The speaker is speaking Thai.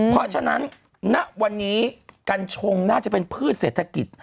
เพราะฉะนั้นณวันนี้กัญชงน่าจะเป็นพืชเศรษฐกิจ